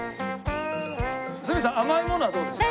鷲見さん甘いものはどうですか？